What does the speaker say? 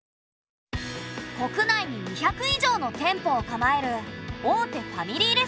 国内に２００以上の店舗を構える大手ファミリーレストラン。